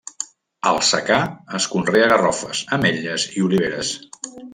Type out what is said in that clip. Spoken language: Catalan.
Al secà, es conrea garrofes, ametlles i oliveres.